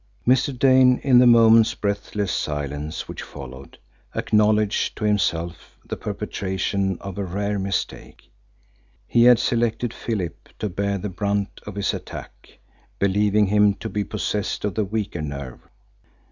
Mr. Dane, in the moment's breathless silence which followed, acknowledged to himself the perpetration of a rare mistake. He had selected Philip to bear the brunt of his attack, believing him to be possessed of the weaker nerve.